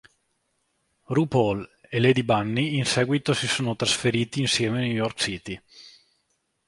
RuPaul e Lady Bunny in seguito si sono trasferiti insieme a New York City.